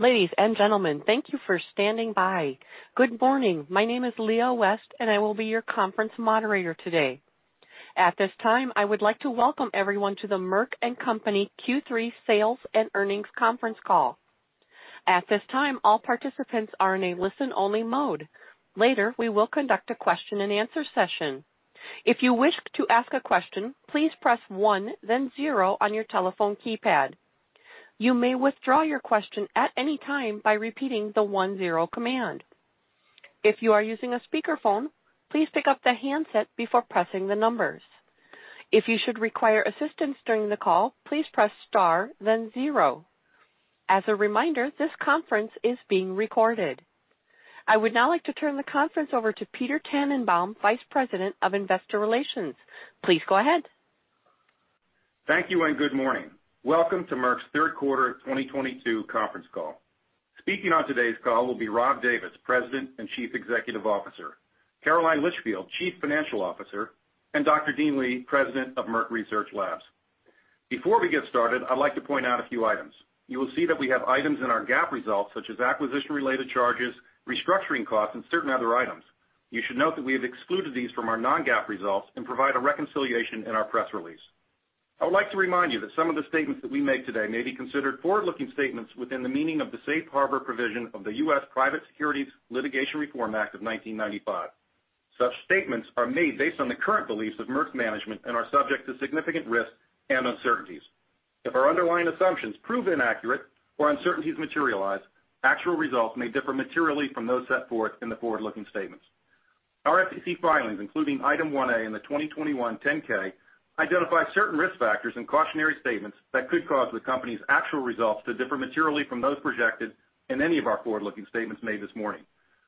Ladies and gentlemen, thank you for standing by. Good morning. My name is Leah West, and I will be your conference moderator today. At this time, I would like to welcome everyone to the Merck & Co. Q3 sales and earnings conference call. At this time, all participants are in a listen-only mode. Later, we will conduct a question-and-answer session. If you wish to ask a question, please press one then zero on your telephone keypad. You may withdraw your question at any time by repeating the one zero command. If you are using a speakerphone, please pick up the handset before pressing the numbers. If you should require assistance during the call, please press star then zero. As a reminder, this conference is being recorded. I would now like to turn the conference over to Peter Dannenbaum, Vice President of Investor Relations. Please go ahead. Thank you, and good morning. Welcome to Merck's third quarter 2022 conference call. Speaking on today's call will be Rob Davis, President and Chief Executive Officer, Caroline Litchfield, Chief Financial Officer, and Dr. Dean Li, President of Merck Research Labs. Before we get started, I'd like to point out a few items. You will see that we have items in our GAAP results, such as acquisition-related charges, restructuring costs, and certain other items. You should note that we have excluded these from our non-GAAP results and provide a reconciliation in our press release. I would like to remind you that some of the statements that we make today may be considered forward-looking statements within the meaning of the Safe Harbor provision of the U.S. Private Securities Litigation Reform Act of 1995. Such statements are made based on the current beliefs of Merck's management and are subject to significant risks and uncertainties. If our underlying assumptions prove inaccurate or uncertainties materialize, actual results may differ materially from those set forth in the forward-looking statements. Our SEC filings, including Item 1A in the 2021 10-K, identify certain risk factors and cautionary statements that could cause the company's actual results to differ materially from those projected in any of our forward-looking statements made this morning.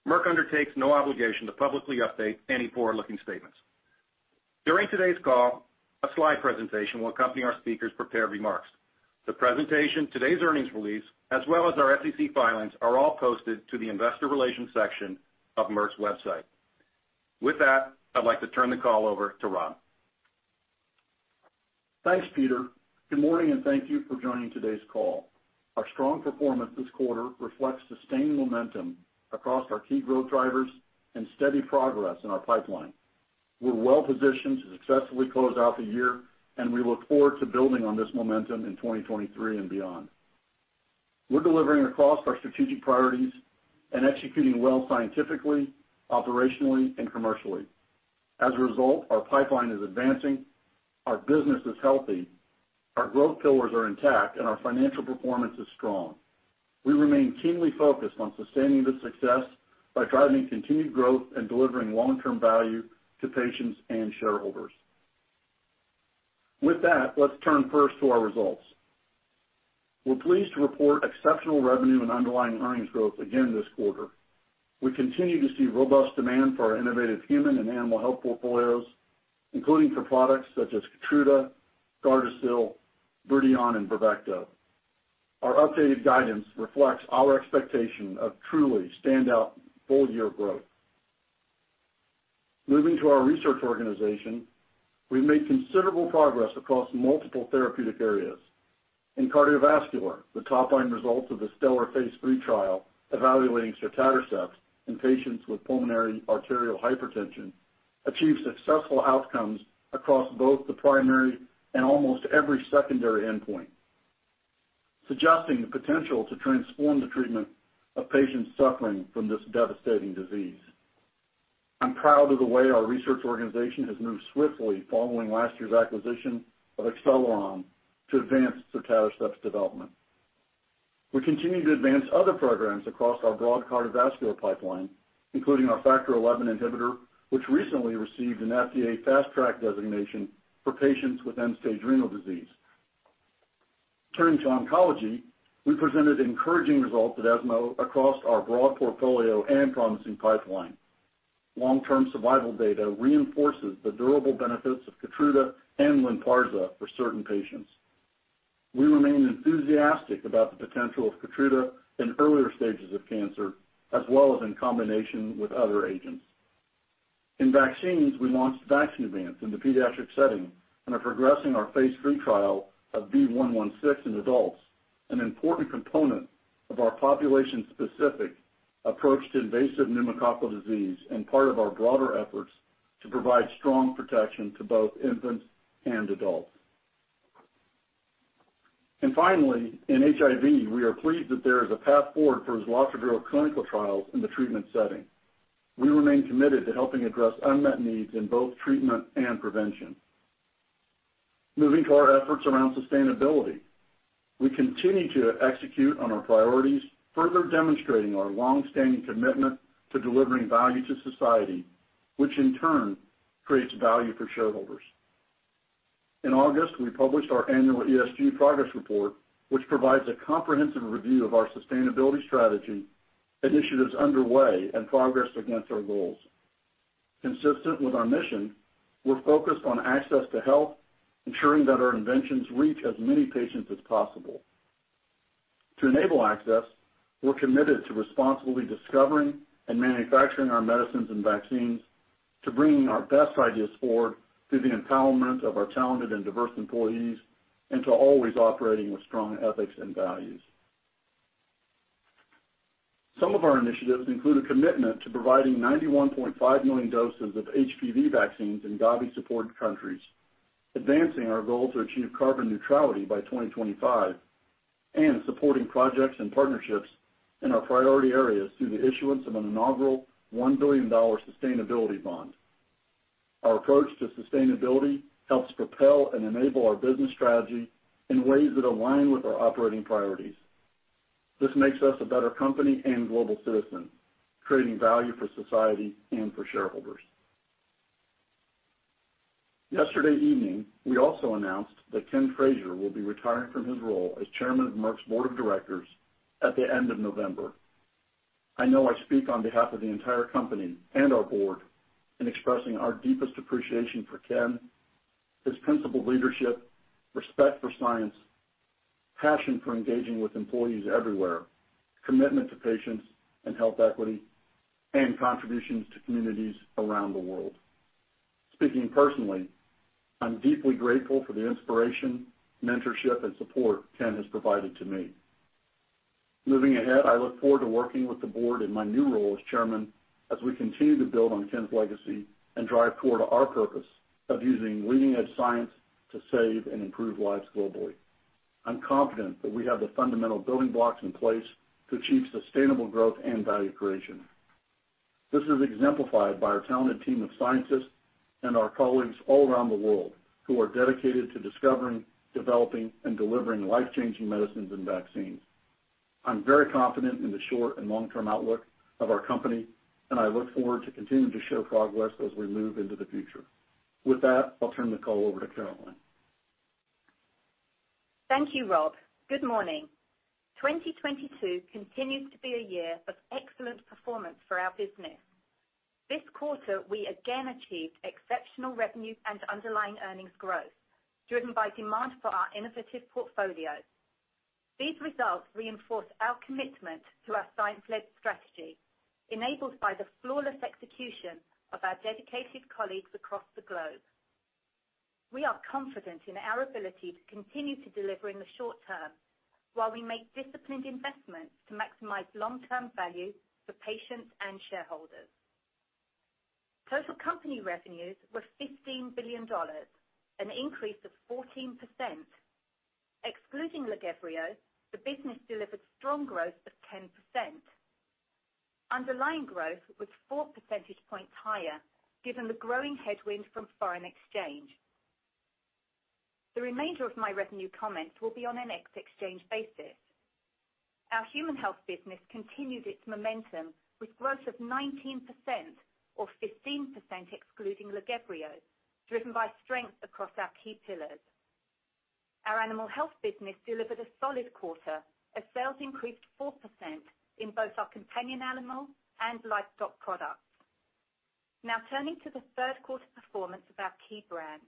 Merck undertakes no obligation to publicly update any forward-looking statements. During today's call, a slide presentation will accompany our speakers' prepared remarks. The presentation, today's earnings release, as well as our SEC filings, are all posted to the investor relations section of Merck's website. With that, I'd like to turn the call over to Rob. Thanks, Peter. Good morning, and thank you for joining today's call. Our strong performance this quarter reflects sustained momentum across our key growth drivers and steady progress in our pipeline. We're well-positioned to successfully close out the year, and we look forward to building on this momentum in 2023 and beyond. We're delivering across our strategic priorities and executing well scientifically, operationally, and commercially. As a result, our pipeline is advancing, our business is healthy, our growth pillars are intact, and our financial performance is strong. We remain keenly focused on sustaining this success by driving continued growth and delivering long-term value to patients and shareholders. With that, let's turn first to our results. We're pleased to report exceptional revenue and underlying earnings growth again this quarter. We continue to see robust demand for our innovative human and animal health portfolios, including for products such as KEYTRUDA, GARDASIL, BRIDION, and Bravecto. Our updated guidance reflects our expectation of truly standout full-year growth. Moving to our research organization, we've made considerable progress across multiple therapeutic areas. In cardiovascular, the top-line results of the STELLAR Phase 3 trial evaluating sotatercept in patients with pulmonary arterial hypertension achieved successful outcomes across both the primary and almost every secondary endpoint, suggesting the potential to transform the treatment of patients suffering from this devastating disease. I'm proud of the way our research organization has moved swiftly following last year's acquisition of Acceleron to advance sotatercept's development. We continue to advance other programs across our broad cardiovascular pipeline, including our Factor XI inhibitor, which recently received an FDA Fast Track designation for patients with end-stage renal disease. Turning to oncology, we presented encouraging results at ESMO across our broad portfolio and promising pipeline. Long-term survival data reinforces the durable benefits of KEYTRUDA and LYNPARZA for certain patients. We remain enthusiastic about the potential of KEYTRUDA in earlier stages of cancer, as well as in combination with other agents. In vaccines, we launched VAXNEUVANCE in the pediatric setting and are progressing our Phase 3 trial of V116 in adults, an important component of our population-specific approach to invasive pneumococcal disease and part of our broader efforts to provide strong protection to both infants and adults. Finally, in HIV, we are pleased that there is a path forward for Islatravir clinical trials in the treatment setting. We remain committed to helping address unmet needs in both treatment and prevention. Moving to our efforts around sustainability. We continue to execute on our priorities, further demonstrating our long-standing commitment to delivering value to society, which in turn creates value for shareholders. In August, we published our annual ESG progress report, which provides a comprehensive review of our sustainability strategy, initiatives underway, and progress against our goals. Consistent with our mission, we're focused on access to health, ensuring that our inventions reach as many patients as possible. To enable access, we're committed to responsibly discovering and manufacturing our medicines and vaccines. To bringing our best ideas forward through the empowerment of our talented and diverse employees, and to always operating with strong ethics and values. Some of our initiatives include a commitment to providing 91.5 million doses of HPV vaccines in Gavi-supported countries, advancing our goal to achieve carbon neutrality by 2025, and supporting projects and partnerships in our priority areas through the issuance of an inaugural $1 billion sustainability bond. Our approach to sustainability helps propel and enable our business strategy in ways that align with our operating priorities. This makes us a better company and global citizen, creating value for society and for shareholders. Yesterday evening, we also announced that Ken Frazier will be retiring from his role as Chairman of Merck's Board of Directors at the end of November. I know I speak on behalf of the entire company and our board in expressing our deepest appreciation for Ken, his principled leadership, respect for science, passion for engaging with employees everywhere, commitment to patients and health equity, and contributions to communities around the world. Speaking personally, I'm deeply grateful for the inspiration, mentorship, and support Ken has provided to me. Moving ahead, I look forward to working with the board in my new role as chairman as we continue to build on Ken's legacy and drive toward our purpose of using leading-edge science to save and improve lives globally. I'm confident that we have the fundamental building blocks in place to achieve sustainable growth and value creation. This is exemplified by our talented team of scientists and our colleagues all around the world who are dedicated to discovering, developing, and delivering life-changing medicines and vaccines. I'm very confident in the short and long-term outlook of our company, and I look forward to continuing to show progress as we move into the future. With that, I'll turn the call over to Caroline. Thank you, Rob. Good morning. 2022 continues to be a year of excellent performance for our business. This quarter, we again achieved exceptional revenue and underlying earnings growth, driven by demand for our innovative portfolio. These results reinforce our commitment to our science-led strategy, enabled by the flawless execution of our dedicated colleagues across the globe. We are confident in our ability to continue to deliver in the short term while we make disciplined investments to maximize long-term value for patients and shareholders. Total company revenues were $15 billion, an increase of 14%. Excluding LAGEVRIO, the business delivered strong growth of 10%. Underlying growth was 4% points higher, given the growing headwind from foreign exchange. The remainder of my revenue comments will be on an FX exchange basis. Our Human Health business continued its momentum with growth of 19% or 15% excluding LAGEVRIO, driven by strength across our key pillars. Our Animal Health business delivered a solid quarter as sales increased 4% in both our companion animal and livestock products. Now turning to the third quarter performance of our key brands.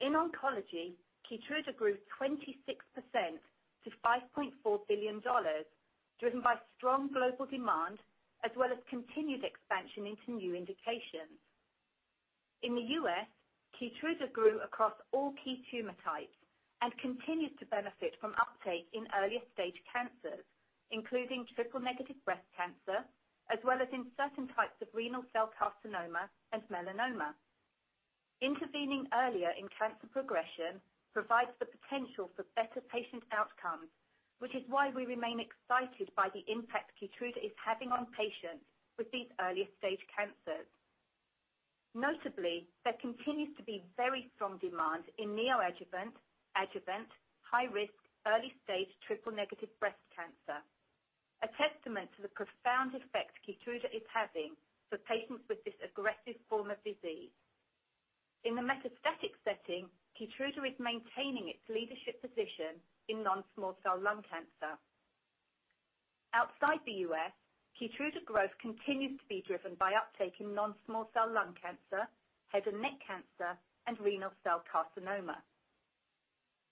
In oncology, KEYTRUDA grew 26% to $5.4 billion, driven by strong global demand as well as continued expansion into new indications. In the U.S., KEYTRUDA grew across all key tumor types and continues to benefit from uptake in earlier stage cancers, including triple-negative breast cancer, as well as in certain types of renal cell carcinoma and melanoma. Intervening earlier in cancer progression provides the potential for better patient outcomes, which is why we remain excited by the impact KEYTRUDA is having on patients with these earlier stage cancers. Notably, there continues to be very strong demand in neoadjuvant, adjuvant, high risk, early-stage triple-negative breast cancer, a testament to the profound effect KEYTRUDA is having for patients with this aggressive form of disease. In the metastatic setting, KEYTRUDA is maintaining its leadership position in non-small cell lung cancer. Outside the U.S., KEYTRUDA growth continues to be driven by uptake in non-small cell lung cancer, head and neck cancer, and renal cell carcinoma.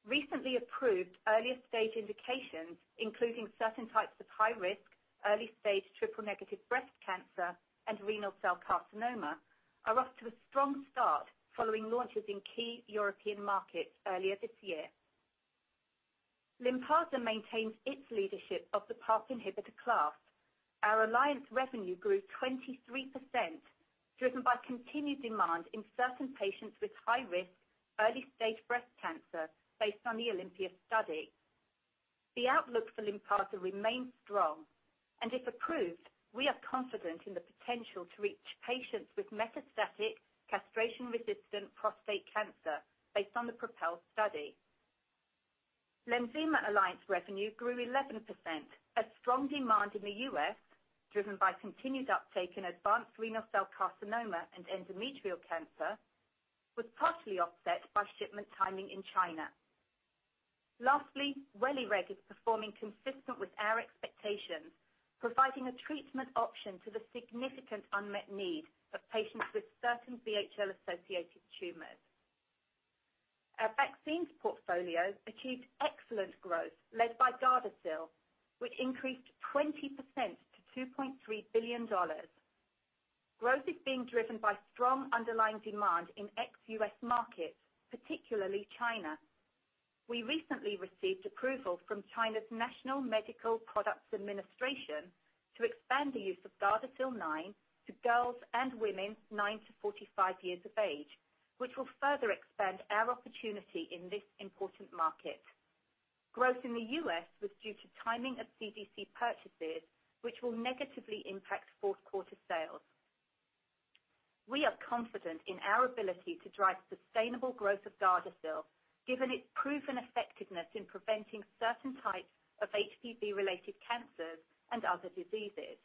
Recently approved earlier stage indications, including certain types of high risk, early-stage triple-negative breast cancer and renal cell carcinoma, are off to a strong start following launches in key European markets earlier this year. LYNPARZA maintains its leadership of the PARP inhibitor class. Our alliance revenue grew 23%, driven by continued demand in certain patients with high risk early-stage breast cancer based on the OlympiA study. The outlook for LYNPARZA remains strong, and if approved, we are confident in the potential to reach patients with metastatic castration-resistant prostate cancer based on the PROpel study. LENVIMA alliance revenue grew 11%. A strong demand in the U.S., driven by continued uptake in advanced renal cell carcinoma and endometrial cancer, was partially offset by shipment timing in China. Lastly, WELIREG is performing consistent with our expectations, providing a treatment option to the significant unmet need of patients with certain VHL-associated tumors. Our vaccines portfolio achieved excellent growth led by GARDASIL, which increased 20% to $2.3 billion. Growth is being driven by strong underlying demand in ex-U.S. markets, particularly China. We recently received approval from China's National Medical Products Administration to expand the use of GARDASIL 9 to girls and women 9 to 45 years of age, which will further expand our opportunity in this important market. Growth in the U.S. was due to timing of CDC purchases, which will negatively impact fourth quarter sales. We are confident in our ability to drive sustainable growth of GARDASIL, given its proven effectiveness in preventing certain types of HPV-related cancers and other diseases.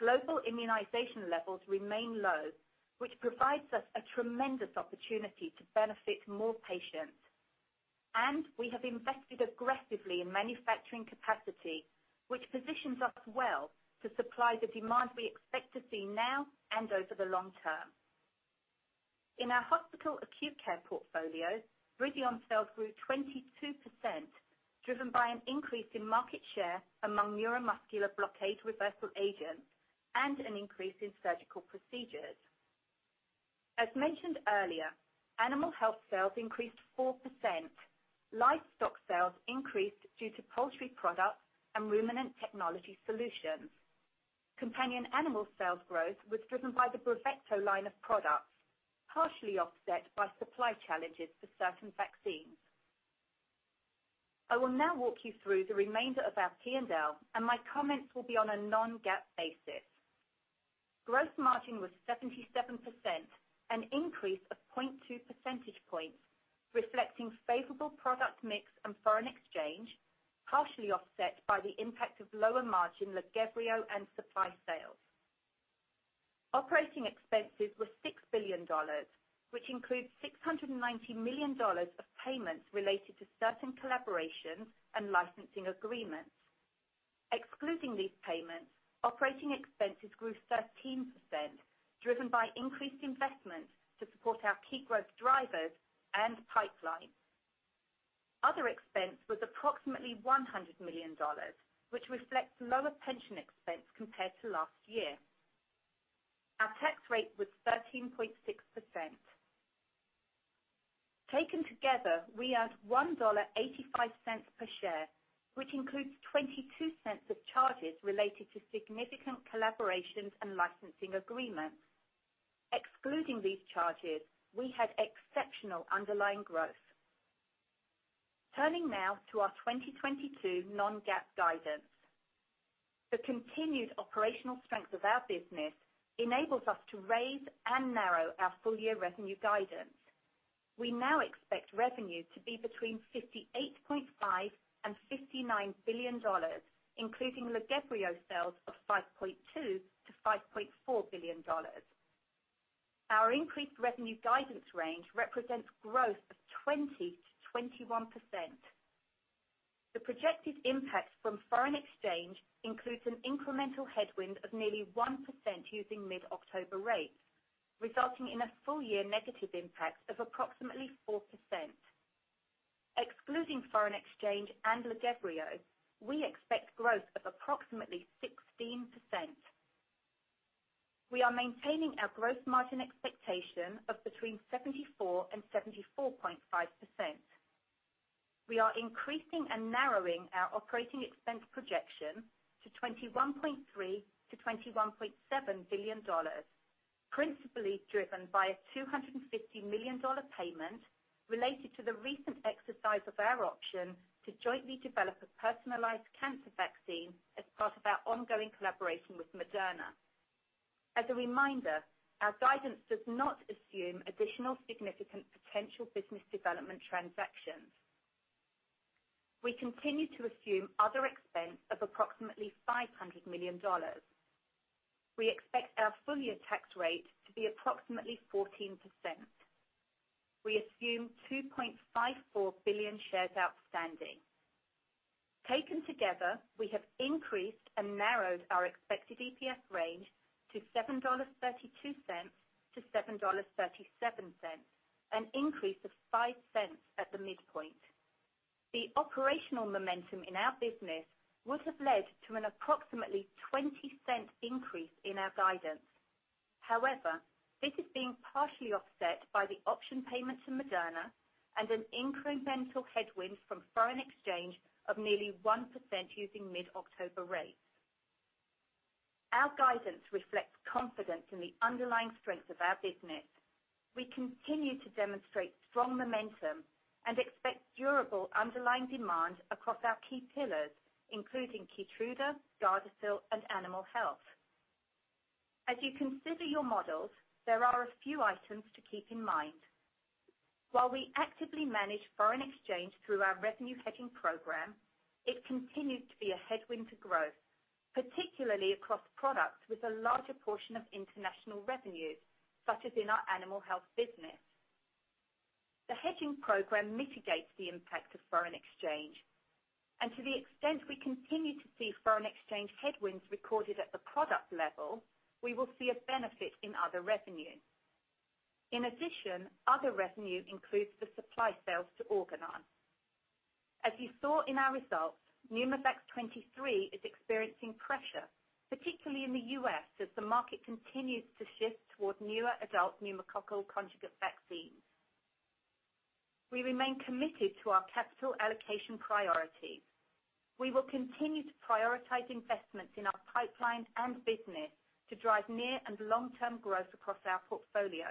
Global immunization levels remain low, which provides us a tremendous opportunity to benefit more patients. We have invested aggressively in manufacturing capacity, which positions us well to supply the demand we expect to see now and over the long term. In our Hospital Acute Care portfolio, BRIDION sales grew 22%, driven by an increase in market share among neuromuscular blockade reversal agents and an increase in surgical procedures. As mentioned earlier, Animal Health sales increased 4%. Livestock sales increased due to poultry products and ruminant technology solutions. Companion animal sales growth was driven by the Bravecto line of products, partially offset by supply challenges for certain vaccines. I will now walk you through the remainder of our P&L, and my comments will be on a non-GAAP basis. Gross margin was 77%, an increase of 0.2% points, reflecting favorable product mix and foreign exchange, partially offset by the impact of lower margin LAGEVRIO and supply sales. Operating expenses were $6 billion, which includes $690 million of payments related to certain collaborations and licensing agreements. Excluding these payments, operating expenses grew 13%, driven by increased investments to support our key growth drivers and pipeline. Other expense was approximately $100 million, which reflects lower pension expense compared to last year. Our tax rate was 13.6%. Taken together, we earned $1.85 per share, which includes $0.22 of charges related to significant collaborations and licensing agreements. Excluding these charges, we had exceptional underlying growth. Turning now to our 2022 non-GAAP guidance. The continued operational strength of our business enables us to raise and narrow our full-year revenue guidance. We now expect revenue to be between $58.5 billion and $59 billion, including LAGEVRIO sales of $5.2 billion-$5.4 billion. Our increased revenue guidance range represents growth of 20%-21%. The projected impact from foreign exchange includes an incremental headwind of nearly 1% using mid-October rates, resulting in a full-year negative impact of approximately 4%. Excluding foreign exchange and LAGEVRIO, we expect growth of approximately 16%. We are maintaining our growth margin expectation of between 74% and 74.5%. We are increasing and narrowing our operating expense projection to $21.3 billion-$21.7 billion, principally driven by a $250 million payment related to the recent exercise of our option to jointly develop a personalized cancer vaccine as part of our ongoing collaboration with Moderna. As a reminder, our guidance does not assume additional significant potential business development transactions. We continue to assume other expense of approximately $500 million. We expect our full-year tax rate to be approximately 14%. We assume 2.54 billion shares outstanding. Taken together, we have increased and narrowed our expected EPS range to $7.32-$7.37, an increase of $0.05 at the midpoint. The operational momentum in our business would have led to an approximately $0.20 increase in our guidance. However, this is being partially offset by the option payment to Moderna and an incremental headwind from foreign exchange of nearly 1% using mid-October rates. Our guidance reflects confidence in the underlying strength of our business. We continue to demonstrate strong momentum and expect durable underlying demand across our key pillars, including KEYTRUDA, GARDASIL, and Animal Health. As you consider your models, there are a few items to keep in mind. While we actively manage foreign exchange through our revenue hedging program, it continued to be a headwind to growth, particularly across products with a larger portion of international revenues, such as in our Animal Health business. The hedging program mitigates the impact of foreign exchange. To the extent we continue to see foreign exchange headwinds recorded at the product level, we will see a benefit in other revenue. In addition, other revenue includes the supply sales to Organon. As you saw in our results, PNEUMOVAX 23 is experiencing pressure, particularly in the U.S., as the market continues to shift toward newer adult pneumococcal conjugate vaccines. We remain committed to our capital allocation priorities. We will continue to prioritize investments in our pipeline and business to drive near and long-term growth across our portfolio.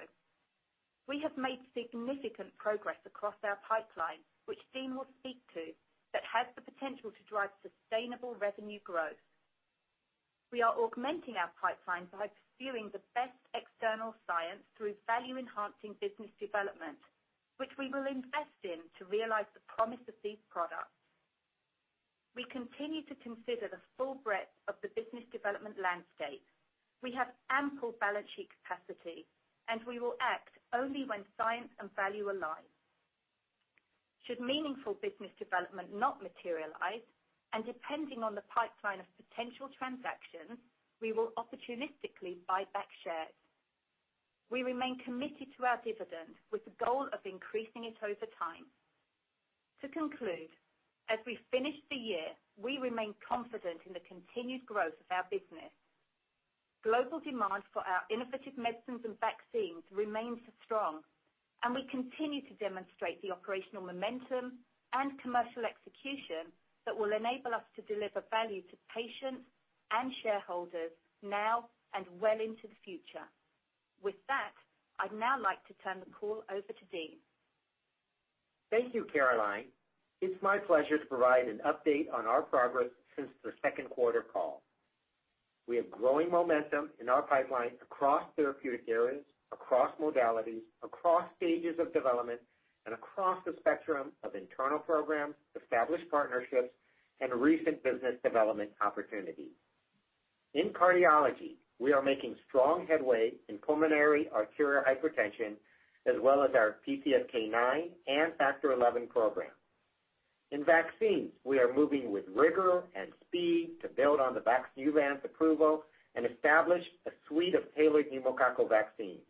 We have made significant progress across our pipeline, which Dean will speak to, that has the potential to drive sustainable revenue growth. We are augmenting our pipeline by pursuing the best external science through value-enhancing business development, which we will invest in to realize the promise of these products. We continue to consider the full breadth of the business development landscape. We have ample balance sheet capacity, and we will act only when science and value align. Should meaningful business development not materialize, and depending on the pipeline of potential transactions, we will opportunistically buy back shares. We remain committed to our dividend with the goal of increasing it over time. To conclude, as we finish the year, we remain confident in the continued growth of our business. Global demand for our innovative medicines and vaccines remains strong, and we continue to demonstrate the operational momentum and commercial execution that will enable us to deliver value to patients and shareholders now and well into the future. With that, I'd now like to turn the call over to Dean. Thank you, Caroline. It's my pleasure to provide an update on our progress since the second quarter call. We have growing momentum in our pipeline across therapeutic areas, across modalities, across stages of development, and across the spectrum of internal programs, established partnerships, and recent business development opportunities. In cardiology, we are making strong headway in pulmonary arterial hypertension, as well as our PCSK9 and Factor XI program. In vaccines, we are moving with rigor and speed to build on the VAXNEUVANCE approval and establish a suite of tailored pneumococcal vaccines.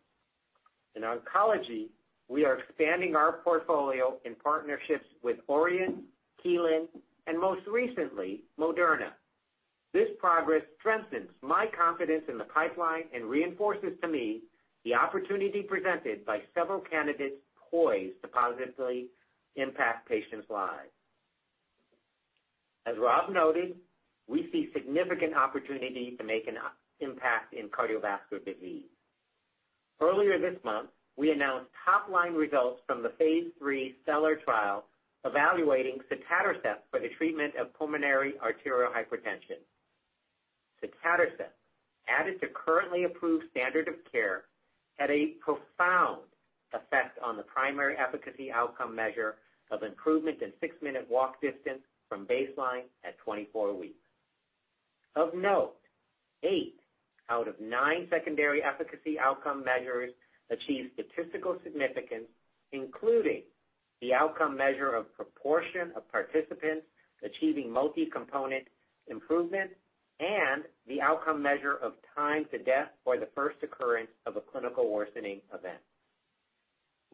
In oncology, we are expanding our portfolio in partnerships with Orion, Kelun-Biotech, and most recently, Moderna. This progress strengthens my confidence in the pipeline and reinforces to me the opportunity presented by several candidates poised to positively impact patients' lives. As Rob noted, we see significant opportunity to make an impact in cardiovascular disease. Earlier this month, we announced top-line results from the Phase 3 STELLAR trial evaluating sotatercept for the treatment of pulmonary arterial hypertension. Sotatercept, added to currently approved standard of care, had a profound effect on the primary efficacy outcome measure of improvement in 6-minute walk distance from baseline at 24 weeks. Of note, 8 out of 9 secondary efficacy outcome measures achieved statistical significance, including the outcome measure of proportion of participants achieving multi-component improvement and the outcome measure of time to death or the first occurrence of a clinical worsening event.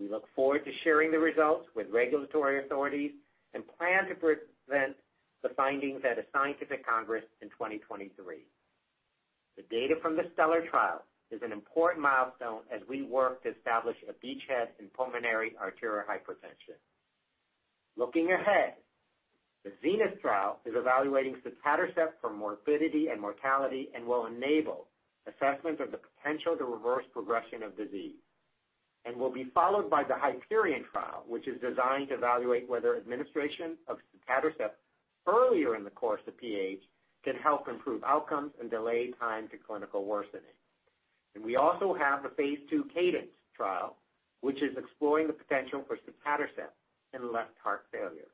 We look forward to sharing the results with regulatory authorities and plan to present the findings at a scientific congress in 2023. The data from the STELLAR trial is an important milestone as we work to establish a beachhead in pulmonary arterial hypertension. Looking ahead, the ZENITH trial is evaluating sotatercept for morbidity and mortality and will enable assessment of the potential to reverse progression of disease and will be followed by the HYPERION trial, which is designed to evaluate whether administration of sotatercept earlier in the course of PAH can help improve outcomes and delay time to clinical worsening. We also have the Phase 2 CADENCE trial, which is exploring the potential for sotatercept in left heart failure.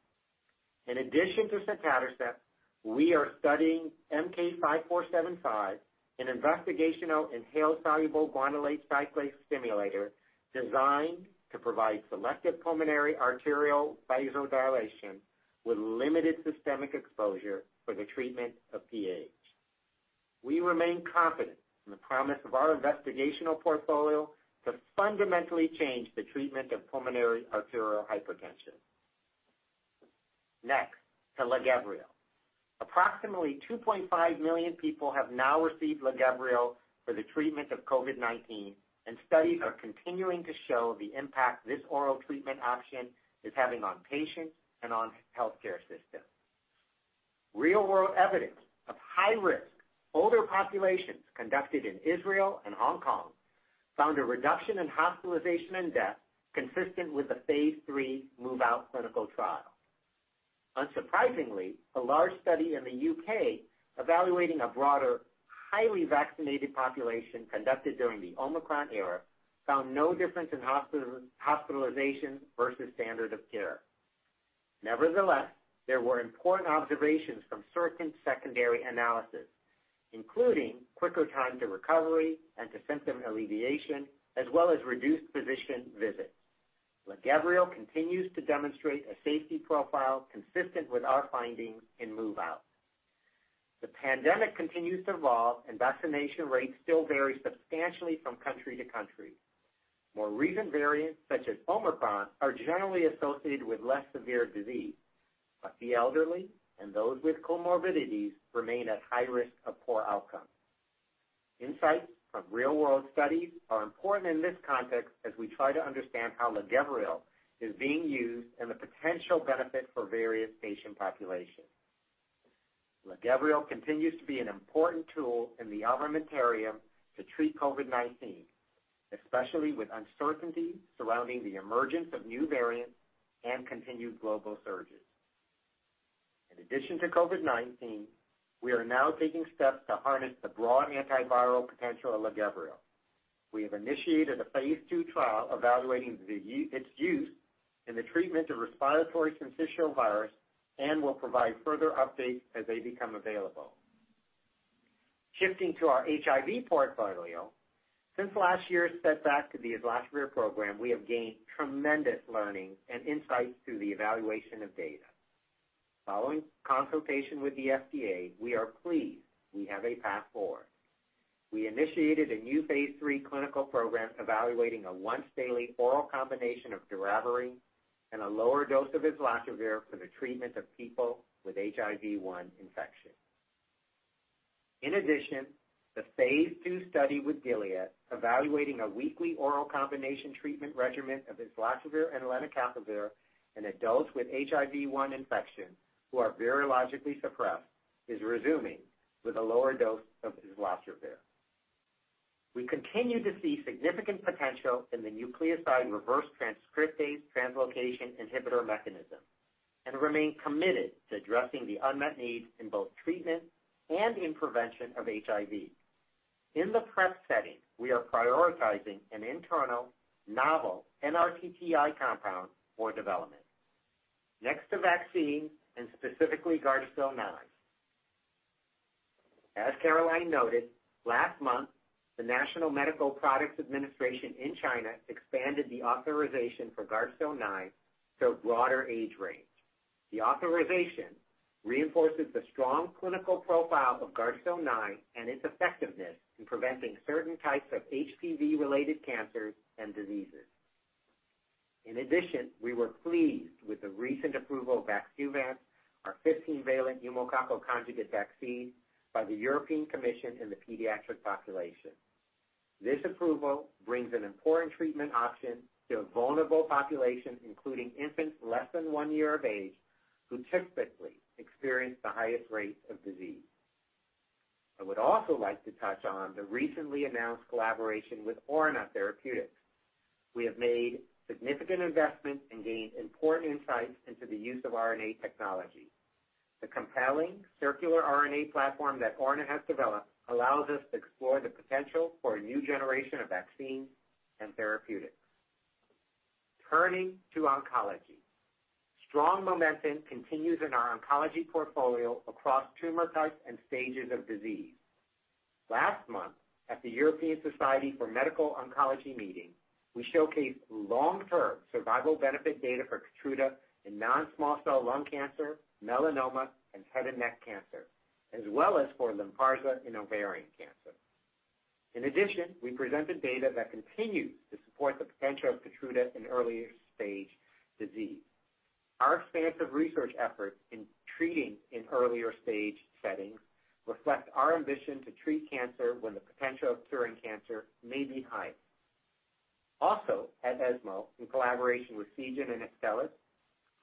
In addition to sotatercept, we are studying MK-5475, an investigational inhaled soluble guanylate cyclase stimulator designed to provide selective pulmonary arterial vasodilation with limited systemic exposure for the treatment of PAH. We remain confident in the promise of our investigational portfolio to fundamentally change the treatment of pulmonary arterial hypertension. Next, to LAGEVRIO. Approximately 2.5 million people have now received LAGEVRIO for the treatment of COVID-19, and studies are continuing to show the impact this oral treatment option is having on patients and on healthcare systems. Real-world evidence of high-risk older populations conducted in Israel and Hong Kong found a reduction in hospitalization and death consistent with the Phase 3 MOVe-OUT clinical trial. Unsurprisingly, a large study in the UK evaluating a broader, highly vaccinated population conducted during the Omicron era found no difference in hospitalization versus standard of care. Nevertheless, there were important observations from certain secondary analysis, including quicker time to recovery and to symptom alleviation, as well as reduced physician visits. LAGEVRIO continues to demonstrate a safety profile consistent with our findings in MOVe-OUT. The pandemic continues to evolve and vaccination rates still vary substantially from country to country. More recent variants such as Omicron are generally associated with less severe disease, but the elderly and those with comorbidities remain at high risk of poor outcome. Insights from real-world studies are important in this context as we try to understand how LAGEVRIO is being used and the potential benefit for various patient populations. LAGEVRIO continues to be an important tool in the armamentarium to treat COVID-19, especially with uncertainty surrounding the emergence of new variants and continued global surges. In addition to COVID-19, we are now taking steps to harness the broad antiviral potential of LAGEVRIO. We have initiated a Phase 2 trial evaluating its use in the treatment of respiratory syncytial virus and will provide further updates as they become available. Shifting to our HIV portfolio. Since last year's setback to the islatravir program, we have gained tremendous learning and insights through the evaluation of data. Following consultation with the FDA, we are pleased we have a path forward. We initiated a new Phase 3 clinical program evaluating a once daily oral combination of doravirine and a lower dose of islatravir for the treatment of people with HIV-1 infection. In addition, the Phase 2 study with Gilead evaluating a weekly oral combination treatment regimen of islatravir and lenacapavir in adults with HIV-1 infection who are virologically suppressed, is resuming with a lower dose of islatravir. We continue to see significant potential in the nucleoside reverse transcriptase translocation inhibitor mechanism and remain committed to addressing the unmet need in both treatment and in prevention of HIV. In the PrEP setting, we are prioritizing an internal novel NRTTI compound for development. Next to vaccine and specifically GARDASIL 9. As Caroline noted, last month, the National Medical Products Administration in China expanded the authorization for GARDASIL 9 to a broader age range. The authorization reinforces the strong clinical profile of GARDASIL 9 and its effectiveness in preventing certain types of HPV-related cancers and diseases. In addition, we were pleased with the recent approval of VAXNEUVANCE, our 15-valent pneumococcal conjugate vaccine, by the European Commission in the pediatric population. This approval brings an important treatment option to a vulnerable population, including infants less than one year of age, who typically experience the highest rates of disease. I would also like to touch on the recently announced collaboration with Orna Therapeutics. We have made significant investments and gained important insights into the use of RNA technology. The compelling circular RNA platform that Orna has developed allows us to explore the potential for a new generation of vaccines and therapeutics. Turning to oncology. Strong momentum continues in our oncology portfolio across tumor types and stages of disease. Last month at the European Society for Medical Oncology meeting, we showcased long-term survival benefit data for KEYTRUDA in non-small cell lung cancer, melanoma, and head and neck cancer, as well as for LYNPARZA in ovarian cancer. In addition, we presented data that continues to support the potential of KEYTRUDA in earlier stage disease. Our expansive research efforts in treating earlier stage settings reflect our ambition to treat cancer when the potential of curing cancer may be highest. Also at ESMO, in collaboration with Seagen and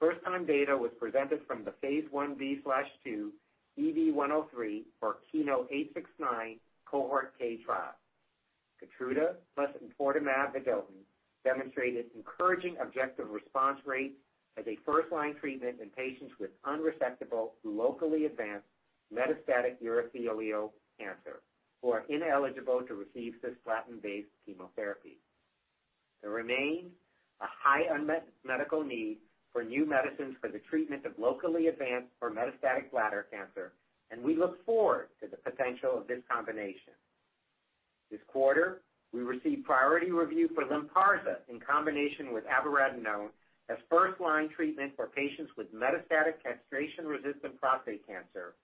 Astellas, first-time data was presented from the Phase 1b/2 EV-103 for KEYNOTE-869 Cohort K trial. KEYTRUDA plus enfortumab vedotin demonstrated encouraging objective response rates as a first-line treatment in patients with unresectable, locally advanced metastatic urothelial cancer who are ineligible to receive cisplatin-based chemotherapy. There remains a high unmet medical need for new medicines for the treatment of locally advanced or metastatic bladder cancer, and we look forward to the potential of this combination. This quarter, we received priority review for LYNPARZA in combination with abiraterone as first-line treatment for patients with metastatic castration-resistant prostate cancer,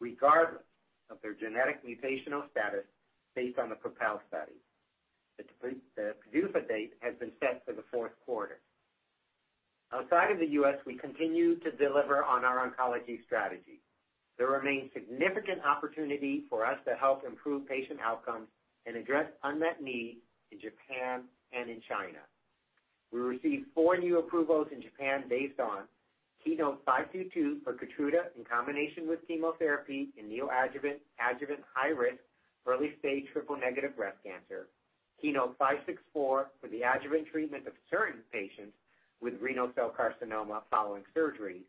regardless of their genetic mutational status based on the PROpel study. The PDUFA date has been set for the fourth quarter. Outside of the U.S., we continue to deliver on our oncology strategy. There remains significant opportunity for us to help improve patient outcomes and address unmet needs in Japan and in China. We received four new approvals in Japan based on KEYNOTE-522 for KEYTRUDA in combination with chemotherapy in neoadjuvant, adjuvant, high-risk, early-stage triple-negative breast cancer. KEYNOTE-564 for the adjuvant treatment of certain patients with renal cell carcinoma following surgery.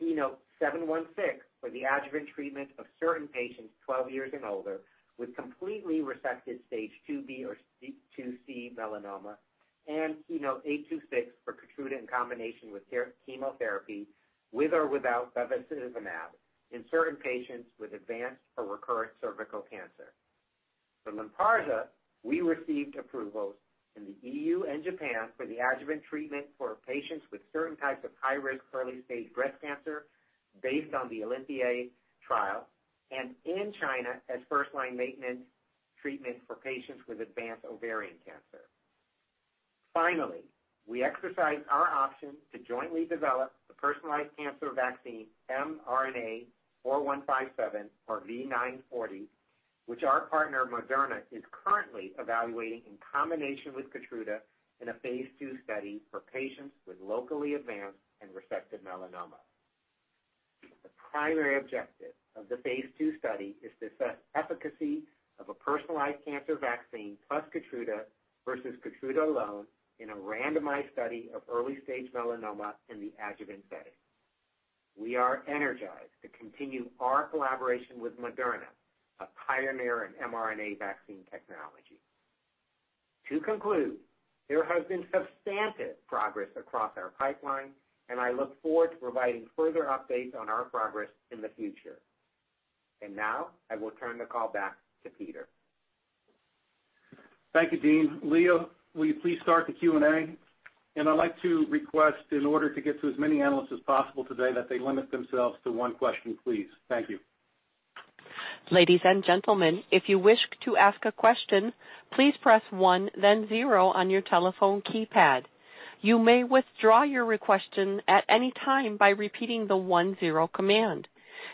KEYNOTE-716 for the adjuvant treatment of certain patients 12 years and older with completely resected stage IIB or IIC melanoma. KEYNOTE-826 for KEYTRUDA in combination with chemotherapy, with or without bevacizumab in certain patients with advanced or recurrent cervical cancer. For LYNPARZA, we received approvals in the EU and Japan for the adjuvant treatment for patients with certain types of high-risk early-stage breast cancer based on the OlympiA trial and in China as first-line maintenance treatment for patients with advanced ovarian cancer. Finally, we exercised our option to jointly develop the personalized cancer vaccine mRNA-4157 or V940, which our partner, Moderna, is currently evaluating in combination with KEYTRUDA in a Phase 2 study for patients with locally advanced and resected melanoma. The primary objective of the Phase 2 study is to assess efficacy of a personalized cancer vaccine plus KEYTRUDA versus KEYTRUDA alone in a randomized study of early stage melanoma in the adjuvant setting. We are energized to continue our collaboration with Moderna, a pioneer in mRNA vaccine technology. To conclude, there has been substantive progress across our pipeline, and I look forward to providing further updates on our progress in the future. Now I will turn the call back to Peter. Thank you, Dean. Leah, will you please start the Q&A? I'd like to request, in order to get to as many analysts as possible today, that they limit themselves to one question, please. Thank you. Ladies and gentlemen, if you wish to ask a question, please press one then zero on your telephone keypad. You may withdraw your request at any time by repeating the one zero command.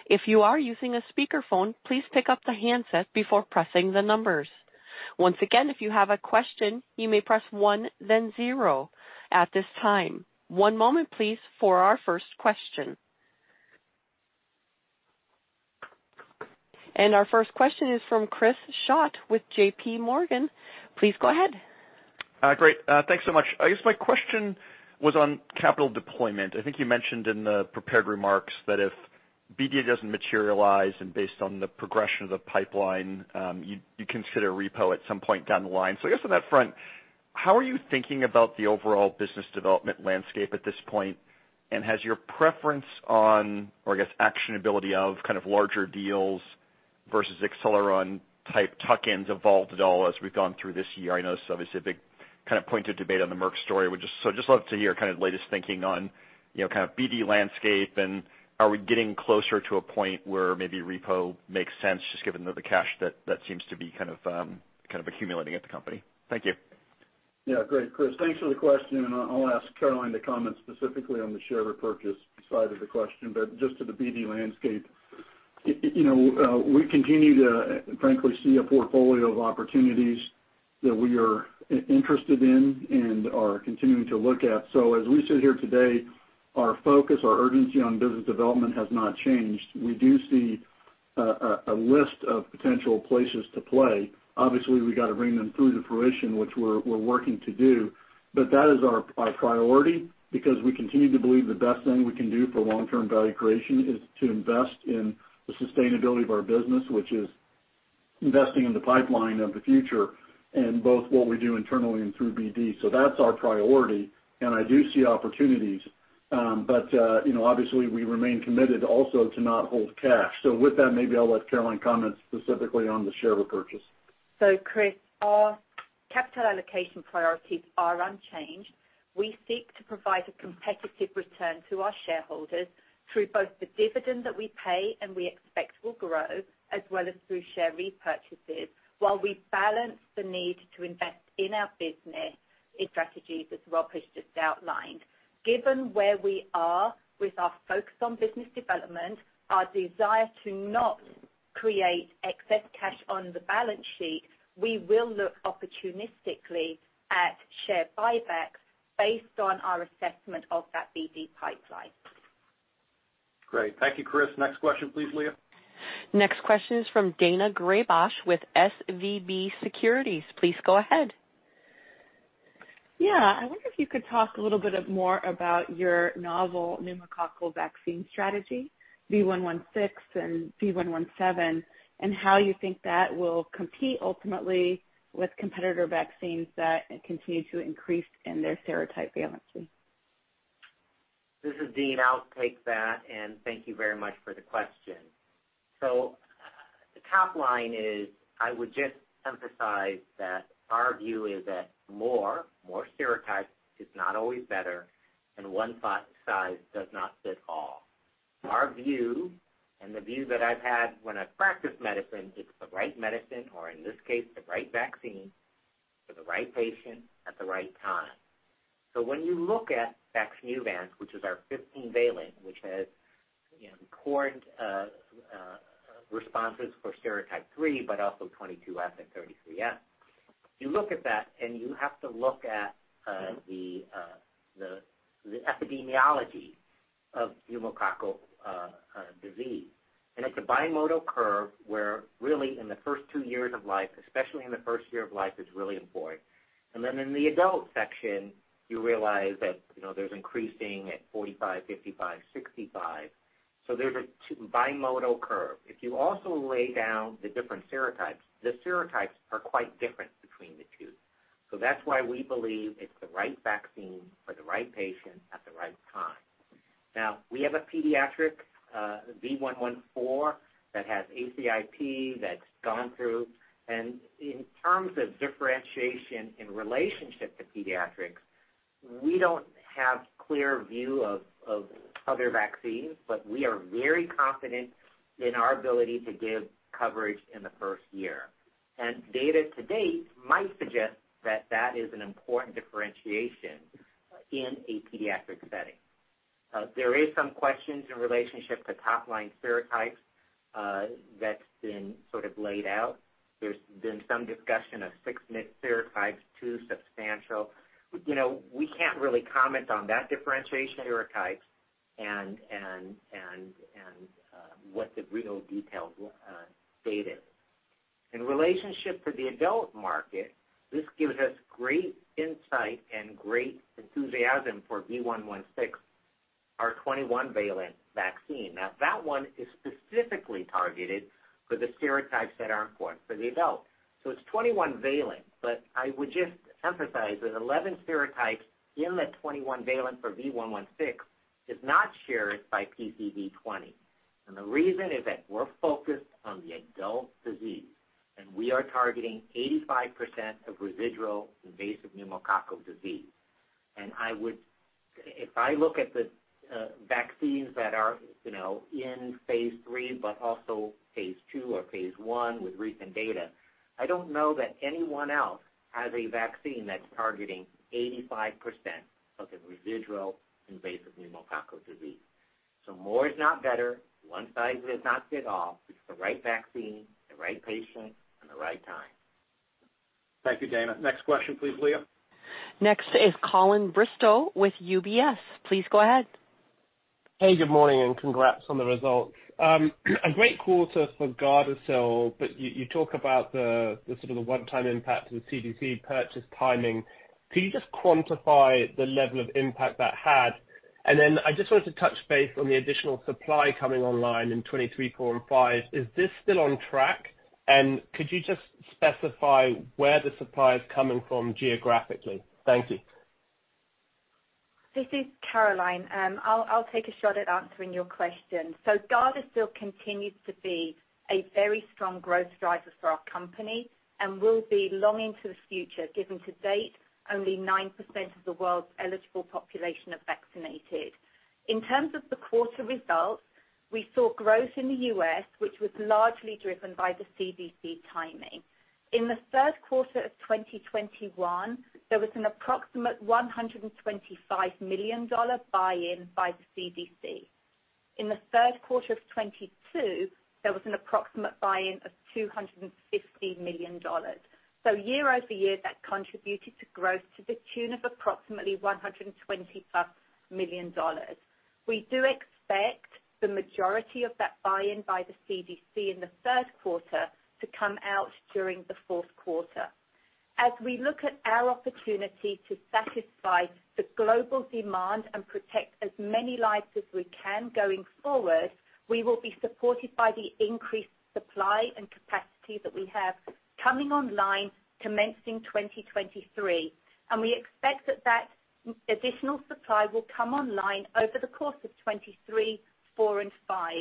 If you are using a speakerphone, please pick up the handset before pressing the numbers. Once again, if you have a question, you may press one then zero at this time. One moment please for our first question. Our first question is from Chris Schott with JPMorgan. Please go ahead. Great, thanks so much. I guess my question was on capital deployment. I think you mentioned in the prepared remarks that if BD doesn't materialize and based on the progression of the pipeline, you consider repo at some point down the line. I guess on that front, how are you thinking about the overall business development landscape at this point? Has your preference on, or I guess, actionability of kind of larger deals versus Acceleron type tuck-ins evolved at all as we've gone through this year? I know this is obviously a big kind of pointed debate on the Merck story. Just love to hear kind of latest thinking on, you know, kind of BD landscape and are we getting closer to a point where maybe repo makes sense just given the cash that seems to be kind of accumulating at the company? Thank you. Yeah. Great, Chris. Thanks for the question, and I'll ask Caroline to comment specifically on the share repurchase side of the question. Just to the BD landscape, we continue to frankly see a portfolio of opportunities that we are interested in and are continuing to look at. As we sit here today, our focus, our urgency on business development has not changed. We do see a list of potential places to play. Obviously, we gotta bring them through to fruition, which we're working to do. That is our priority because we continue to believe the best thing we can do for long-term value creation is to invest in the sustainability of our business, which is investing in the pipeline of the future and both what we do internally and through BD. That's our priority, and I do see opportunities. You know, obviously we remain committed also to not hold cash. With that, maybe I'll let Caroline comment specifically on the share repurchase. Chris, our capital allocation priorities are unchanged. We seek to provide a competitive return to our shareholders through both the dividend that we pay and we expect will grow, as well as through share repurchases, while we balance the need to invest in our business in strategies as Rob has just outlined. Given where we are with our focus on business development, our desire to not create excess cash on the balance sheet, we will look opportunistically at share buybacks based on our assessment of that BD pipeline. Great. Thank you, Chris. Next question please, Leah. Next question is from Daina Graybosch with SVB Securities. Please go ahead. Yeah. I wonder if you could talk a little bit more about your novel pneumococcal vaccine strategy, V116 and V117, and how you think that will compete ultimately with competitor vaccines that continue to increase in their serotype valency. This is Dean. I'll take that, and thank you very much for the question. The top line is, I would just emphasize that our view is that more serotypes is not always better and one size does not fit all. Our view, and the view that I've had when I've practiced medicine, it's the right medicine, or in this case the right vaccine, for the right patient at the right time. When you look at VAXNEUVANCE, which is our 15-valent, which has, you know, important responses for serotype 3 but also 22F and 33F. You look at that and you have to look at the epidemiology of pneumococcal disease. It's a bimodal curve where really in the first two years of life, especially in the first year of life, it's really important. In the adult section you realize that, you know, there's increasing at 45, 55, 65. There's a two bimodal curve. If you also lay down the different serotypes, the serotypes are quite different between them. That's why we believe it's the right vaccine for the right patient at the right time. Now, we have a pediatric V114 that has ACIP that's gone through. In terms of differentiation in relationship to pediatrics, we don't have clear view of other vaccines, but we are very confident in our ability to give coverage in the first year. Data to date might suggest that that is an important differentiation in a pediatric setting. There is some questions in relationship to top-line serotypes, that's been sort of laid out. There's been some discussion of 6 serotypes, 2 substantial. You know, we can't really comment on that differentiation of serotypes and what the real details state is. In relationship to the adult market, this gives us great insight and great enthusiasm for V116, our 21-valent vaccine. Now, that one is specifically targeted for the serotypes that are important for the adult. So it's 21-valent, but I would just emphasize that 11 serotypes in the 21-valent for V116 is not shared by PCV20. The reason is that we're focused on the adult disease, and we are targeting 85% of residual invasive pneumococcal disease. I would. If I look at the vaccines that are in Phase 3, but also Phase 2 or Phase 1 with recent data, I don't know that anyone else has a vaccine that's targeting 85% of the residual invasive pneumococcal disease. More is not better. One size does not fit all. It's the right vaccine, the right patient, and the right time. Thank you, Daina. Next question, please, Leah. Next is Colin Bristow with UBS. Please go ahead. Hey, good morning, and congrats on the results. A great quarter for GARDASIL, but you talk about the sort of one-time impact of the CDC purchase timing. Could you just quantify the level of impact that had? I just wanted to touch base on the additional supply coming online in 2023, 2024, and 2025. Is this still on track? Could you just specify where the supply is coming from geographically? Thank you. This is Caroline. I'll take a shot at answering your question. GARDASIL continues to be a very strong growth driver for our company and will be long into the future, given to date only 9% of the world's eligible population are vaccinated. In terms of the quarter results, we saw growth in the U.S., which was largely driven by the CDC timing. In the third quarter of 2021, there was an approximate $125 million buy-in by the CDC. In the third quarter of 2022, there was an approximate buy-in of $250 million. Year over year, that contributed to growth to the tune of approximately $125 million. We do expect the majority of that buy-in by the CDC in the third quarter to come out during the fourth quarter. As we look at our opportunity to satisfy the global demand and protect as many lives as we can going forward, we will be supported by the increased supply and capacity that we have coming online commencing 2023. We expect that additional supply will come online over the course of 2023, 2024 and 2025.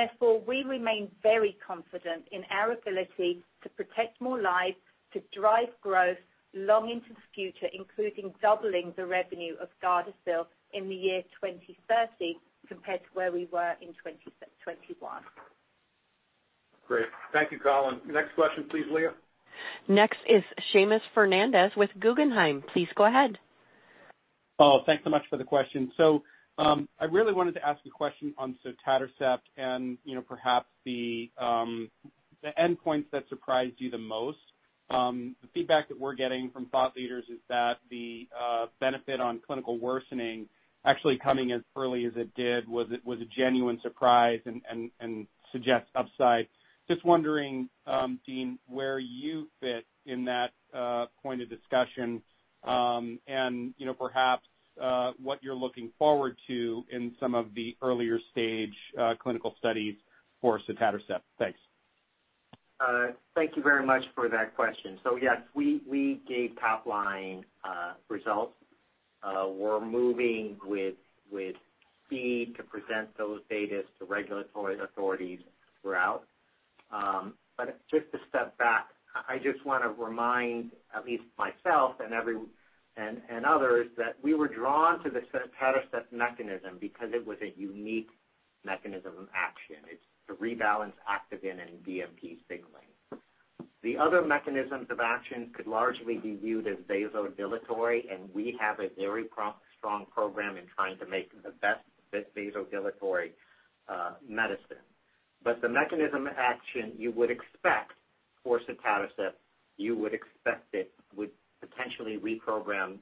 Therefore, we remain very confident in our ability to protect more lives, to drive growth long into the future, including doubling the revenue of GARDASIL in the year 2030 compared to where we were in 2021. Great. Thank you, Colin. Next question, please, Leah. Next is Seamus Fernandez with Guggenheim. Please go ahead. Oh, thanks so much for the question. I really wanted to ask a question on sotatercept and, you know, perhaps the endpoints that surprised you the most. The feedback that we're getting from thought leaders is that the benefit on clinical worsening actually coming as early as it did was a genuine surprise and suggests upside. Just wondering, Dean, where you fit in that point of discussion, and, you know, perhaps what you're looking forward to in some of the earlier stage clinical studies for sotatercept. Thanks. Thank you very much for that question. Yes, we gave top line results. We're moving with speed to present those data to regulatory authorities throughout. Just to step back, I just want to remind at least myself and everyone and others that we were drawn to the sotatercept mechanism because it was a unique mechanism of action. It's to rebalance Activin and BMP signaling. The other mechanisms of action could largely be viewed as vasodilatory, and we have a very strong program in trying to make the best vasodilatory medicine. The mechanism action you would expect for sotatercept, you would expect it would potentially reprogram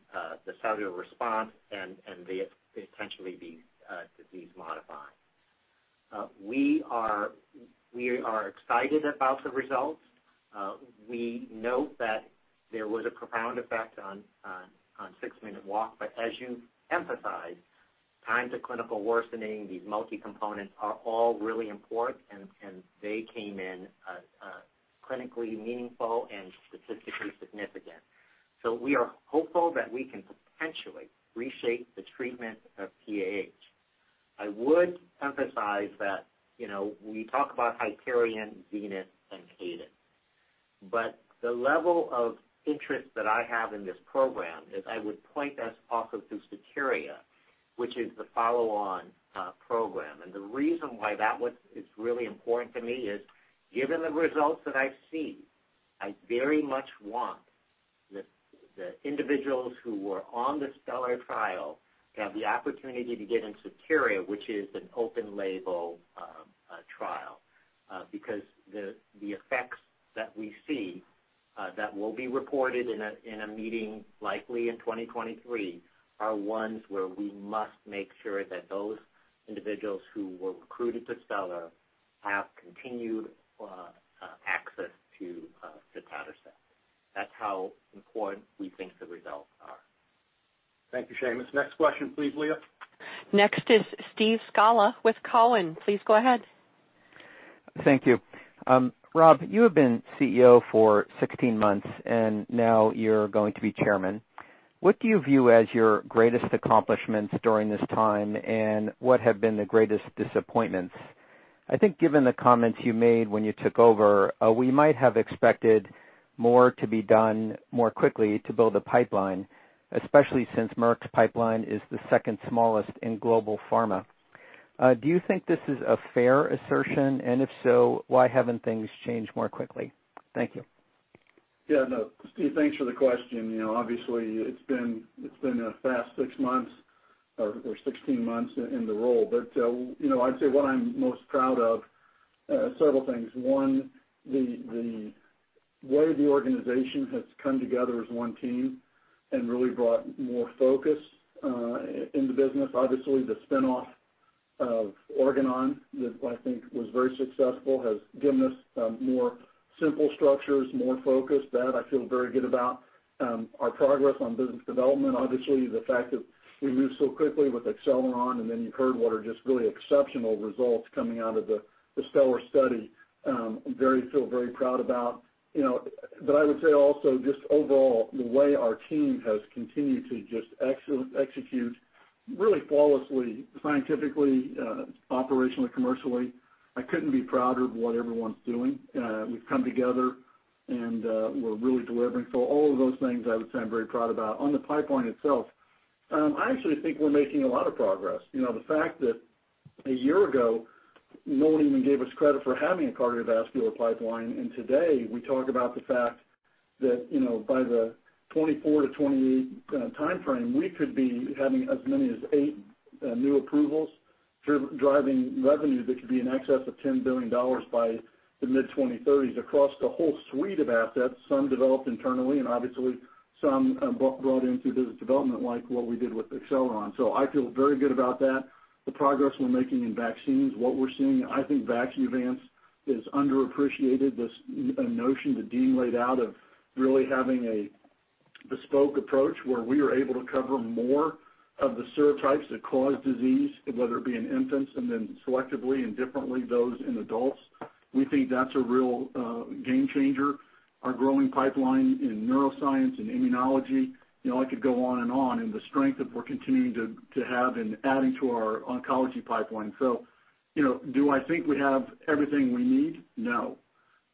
the cellular response and the potentially be disease-modifying. We are excited about the results. We note that there was a profound effect on 6-minute walk distance. As you emphasized, time to clinical worsening, these multicomponent are all really important, and they came in clinically meaningful and statistically significant. We are hopeful that we can potentially reshape the treatment of PAH. I would emphasize that, you know, we talk about HYPERION, ZENITH, and CADENCE. The level of interest that I have in this program is I would point us also to SEQUOIA, which is the follow-on program. The reason why that is really important to me is given the results that I've seen, I very much want the individuals who were on the STELLAR trial to have the opportunity to get in SEQUOIA, which is an open label trial, because the effects that we see that will be reported in a meeting likely in 2023, are ones where we must make sure that those individuals who were recruited to STELLAR have continued access to sotatercept. That's how important we think the results are. Thank you, Seamus. Next question, please, Leah. Next is Steve Scala with Cowen. Please go ahead. Thank you. Rob, you have been CEO for 16 months, and now you're going to be Chairman. What do you view as your greatest accomplishments during this time, and what have been the greatest disappointments? I think given the comments you made when you took over, we might have expected more to be done more quickly to build a pipeline, especially since Merck's pipeline is the second smallest in global pharma. Do you think this is a fair assertion? If so, why haven't things changed more quickly? Thank you. Yeah, no. Steve, thanks for the question. You know, obviously, it's been a fast six months or 16 months in the role. You know, I'd say what I'm most proud of several things. One, the way the organization has come together as one team and really brought more focus in the business. Obviously, the spin-off of Organon that I think was very successful has given us more simple structures, more focus. That I feel very good about. Our progress on business development, obviously the fact that we moved so quickly with Acceleron, and then you've heard what are just really exceptional results coming out of the STELLAR study. Feel very proud about. You know, I would say also just overall, the way our team has continued to just execute really flawlessly, scientifically, operationally, commercially, I couldn't be prouder of what everyone's doing. We've come together and we're really delivering. All of those things I would say I'm very proud about. On the pipeline itself, I actually think we're making a lot of progress. You know, the fact that a year ago, no one even gave us credit for having a cardiovascular pipeline, and today, we talk about the fact that, you know, by the 2024-2028 timeframe, we could be having as many as eight new approvals driving revenue that could be in excess of $10 billion by the mid-2030s across the whole suite of assets, some developed internally and obviously some brought in through business development, like what we did with Poxel. I feel very good about that. The progress we're making in vaccines, what we're seeing, I think VAXNEUVANCE is underappreciated. This, a notion that Dean laid out of really having a bespoke approach where we are able to cover more of the serotypes that cause disease, whether it be in infants and then selectively and differently, those in adults. We think that's a real game changer. Our growing pipeline in neuroscience and immunology, you know, I could go on and on, and the strength that we're continuing to have in adding to our oncology pipeline. You know, do I think we have everything we need? No.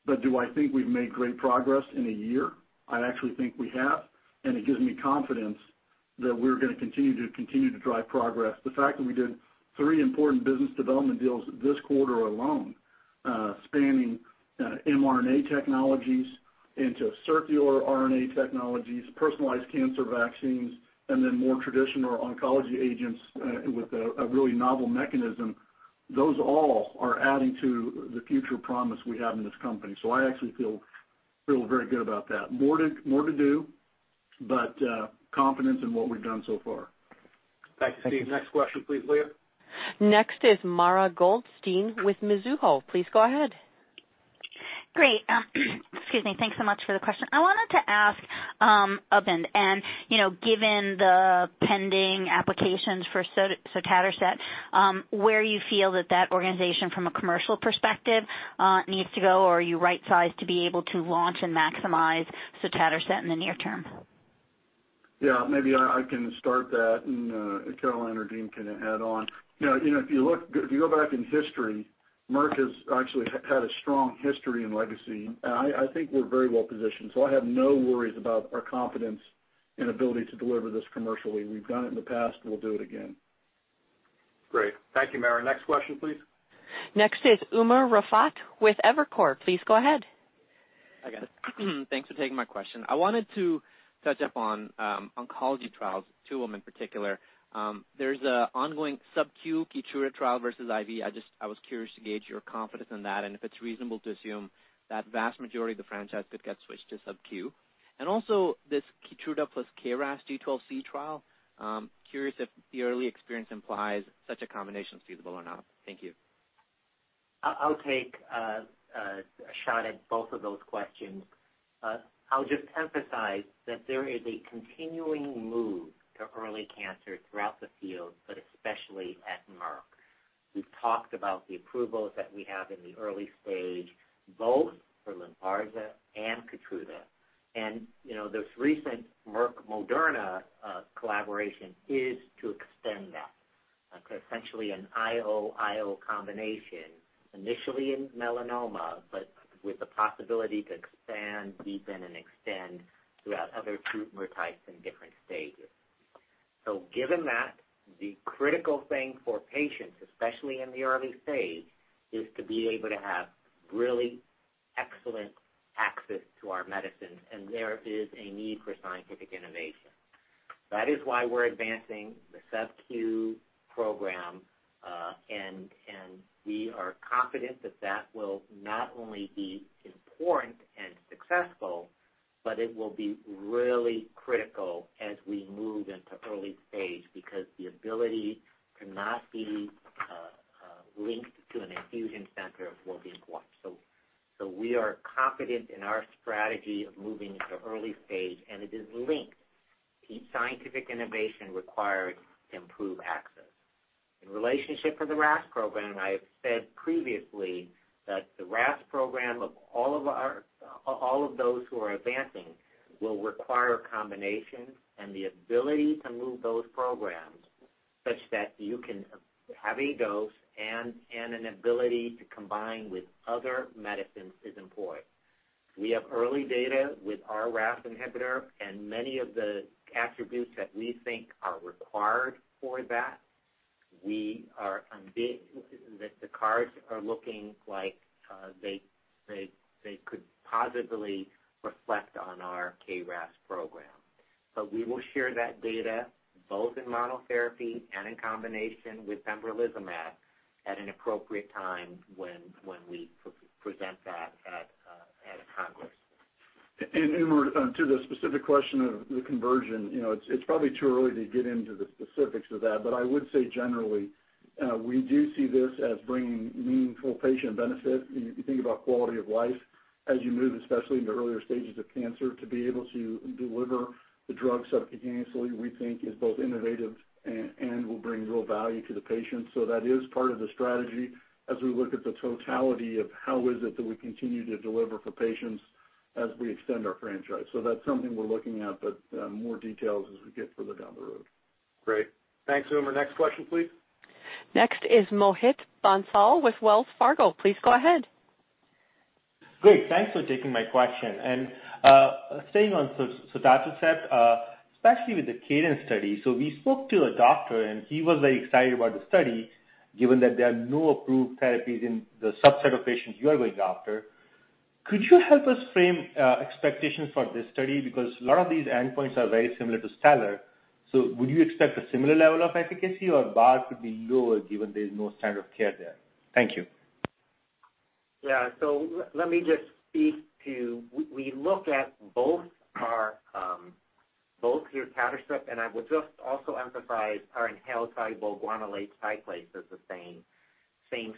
But do I think we've made great progress in a year? I actually think we have, and it gives me confidence that we're gonna continue to drive progress. The fact that we did three important business development deals this quarter alone, spanning mRNA technologies into circular RNA technologies, personalized cancer vaccines, and then more traditional oncology agents with a really novel mechanism, those all are adding to the future promise we have in this company. I actually feel very good about that. More to do, but confidence in what we've done so far. Thanks. Thanks, Steve. Next question, please, Leah. Next is Mara Goldstein with Mizuho. Please go ahead. Great. Excuse me. Thanks so much for the question. I wanted to ask, given the pending applications for sotatercept, where you feel that that organization from a commercial perspective needs to go, or are you right sized to be able to launch and maximize sotatercept in the near term? Yeah, maybe I can start that and, Caroline or Dean can add on. You know, if you go back in history, Merck has actually had a strong history and legacy. I think we're very well positioned, so I have no worries about our confidence and ability to deliver this commercially. We've done it in the past, and we'll do it again. Great. Thank you, Mara. Next question, please. Next is Umer Raffat with Evercore. Please go ahead. Hi, guys. Thanks for taking my question. I wanted to touch on oncology trials, two of them in particular. There's an ongoing sub-Q KEYTRUDA trial versus IV. I was curious to gauge your confidence in that, and if it's reasonable to assume that vast majority of the franchise could get switched to sub-Q. Also this KEYTRUDA plus KRAS G12C trial, curious if the early experience implies such a combination is feasible or not. Thank you. I'll take a shot at both of those questions. I'll just emphasize that there is a continuing move to early-stage cancer throughout the field, but especially at Merck. We've talked about the approvals that we have in the early stage, both for LYNPARZA and KEYTRUDA. You know, this recent Merck-Moderna collaboration is to extend that. Okay? Essentially an IO-IO combination, initially in melanoma, but with the possibility to expand, deepen, and extend throughout other tumor types in different stages. Given that, the critical thing for patients, especially in the early stage, is to be able to have really excellent access to our medicines, and there is a need for scientific innovation. That is why we're advancing the sub-Q program, and we are confident that that will not only be important and successful, but it will be really critical as we move into early stage because the ability to not be linked to an infusion center will be important. We are confident in our strategy of moving into early stage, and it is linked to scientific innovation required to improve access. In relationship with the KRAS program, I have said previously that the KRAS program of all of those who are advancing will require combination and the ability to move those programs such that you can have a dose and an ability to combine with other medicines is employed. We have early data with our KRAS inhibitor and many of the attributes that we think are required for that the cards are looking like they could positively reflect on our KRAS program. We will share that data both in monotherapy and in combination with pembrolizumab at an appropriate time when we present that at Congress. Umer Raffat, to the specific question of the conversion, you know, it's probably too early to get into the specifics of that. I would say generally, we do see this as bringing meaningful patient benefit. You think about quality of life as you move, especially into earlier stages of cancer, to be able to deliver the drug subcutaneously, we think is both innovative and will bring real value to the patient. That is part of the strategy as we look at the totality of how is it that we continue to deliver for patients as we extend our franchise. That's something we're looking at, but more details as we get further down the road. Great. Thanks, Umer. Next question, please. Next is Mohit Bansal with Wells Fargo. Please go ahead. Great. Thanks for taking my question. Staying on sotatercept, especially with the CADENCE study. We spoke to a doctor, and he was very excited about the study, given that there are no approved therapies in the subset of patients you are going after. Could you help us frame expectations for this study? Because a lot of these endpoints are very similar to STELLAR. Would you expect a similar level of efficacy or bar could be lower given there's no standard of care there? Thank you. Yeah. Let me just speak to. We look at both our sotatercept, and I would just also emphasize our inhaled soluble guanylate cyclase as the same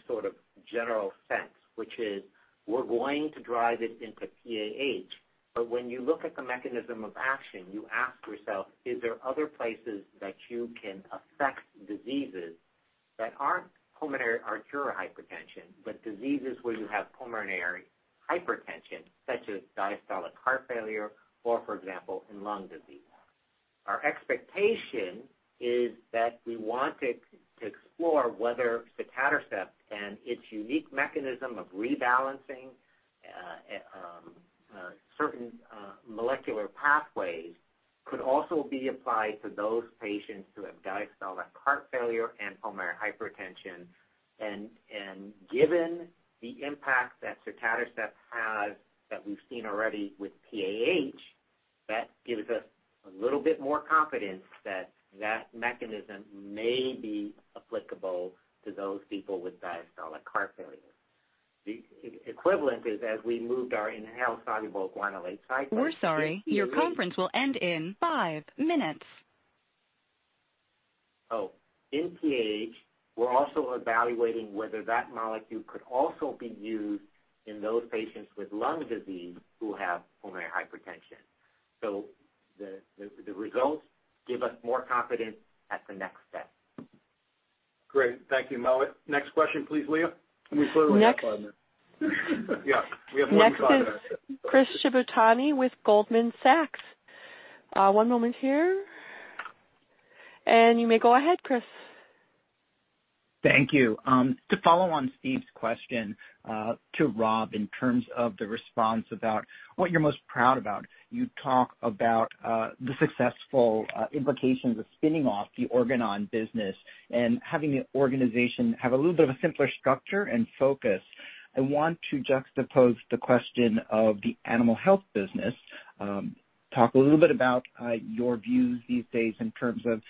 sort of general sense, which is we're going to drive it into PAH. But when you look at the mechanism of action, you ask yourself, is there other places that you can affect diseases that aren't pulmonary arterial hypertension, but diseases where you have pulmonary hypertension, such as diastolic heart failure or, for example, in lung disease. Our expectation is that we want to explore whether sotatercept and its unique mechanism of rebalancing certain molecular pathways could also be applied to those patients who have diastolic heart failure and pulmonary hypertension. Given the impact that sotatercept has that we've seen already with PAH, that gives us a little bit more confidence that that mechanism may be applicable to those people with diastolic heart failure. The equivalent is as we moved our inhaled soluble guanylate cyclase to use. We're sorry. Your conference will end in five minutes. In PAH, we're also evaluating whether that molecule could also be used in those patients with lung disease who have pulmonary hypertension. The results give us more confidence at the next step. Great. Thank you, Mohit. Next question, please, Leah. We still have five minutes. Next. Yeah, we have more than five minutes. Next is Chris Shibutani with Goldman Sachs. One moment here. You may go ahead, Chris. Thank you. To follow on Steve's question, to Rob, in terms of the response about what you're most proud about, you talk about the successful implications of spinning off the Organon business and having the organization have a little bit of a simpler structure and focus. I want to juxtapose the question of the Animal Health business. Talk a little bit about your views these days in terms of